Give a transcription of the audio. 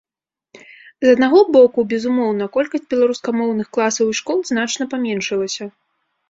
З аднаго боку, безумоўна, колькасць беларускамоўных класаў і школ значна паменшылася.